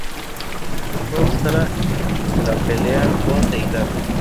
Fue usada en la pelea con Deidara.